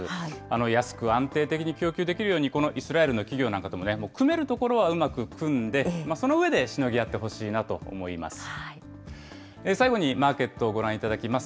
安く安定的に供給できるようにこのイスラエルの企業なんかともね、組めるところはうまく組んで、その上でしのぎ合ってほしいなと思います。